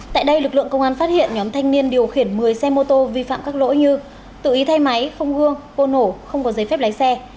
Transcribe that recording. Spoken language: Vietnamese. tại đây lực lượng công an phát hiện nhóm thanh niên điều khiển một mươi xe mô tô vi phạm các lỗi như tự ý thay máy không gương ô nổ không có giấy phép lái xe